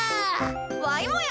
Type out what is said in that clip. わいもや！